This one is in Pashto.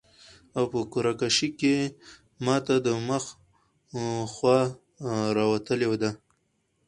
او په قرعه کشي کي ماته د مخ خوا راوتلي ده